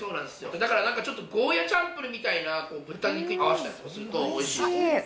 だからなんかちょっと、ゴーヤチャンプルみたいな豚肉とかと合わせたりすると、おいしい。